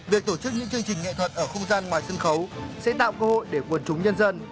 việc tổ chức những chương trình nghệ thuật ở không gian ngoài sân khấu sẽ tạo cơ hội để quần chúng nhân dân